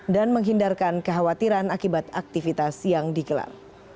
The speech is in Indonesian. dan menghindarkan kekhawatiran akibat aktivitas yang digelar